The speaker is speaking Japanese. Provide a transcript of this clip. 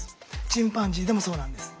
チンパンジーでもそうなんです。